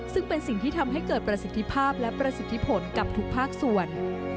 ซึ่งเป็นสิ่งที่ทำให้เกิดประสิทธิภาพและประสิทธิผลกับทุกภาคส่วน